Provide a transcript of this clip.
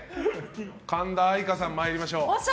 神田愛花さん、参りましょう。